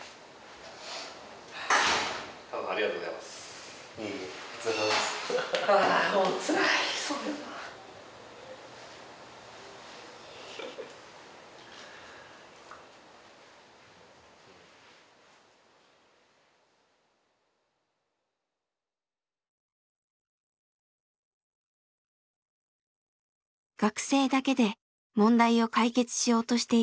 学生だけで問題を解決しようとしていたマユミ。